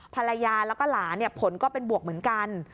ภรรยาแล้วก็หลานผลก็เป็นบวกเหมือนกัน